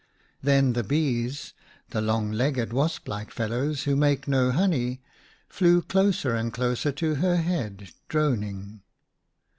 Then the bees, the long legged wasp like fellows who make no honey, flew closer and closer to her head, droning.